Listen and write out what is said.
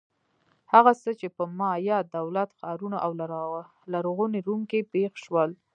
هغه څه چې په مایا دولت-ښارونو او لرغوني روم کې پېښ شول.